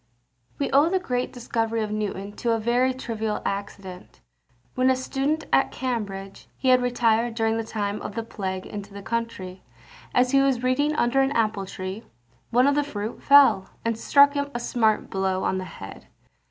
We owe the great discovery of Newton to a very trivial accident. When a student at Cambridge, he had retired during the time of the plague into the country. As he was reading under an apple tree, one of the fruit fell, and struck him a smart blow on the head.